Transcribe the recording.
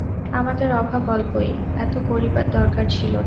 আমাদের অভাব অল্পই, এত করিবার দরকার ছিল না।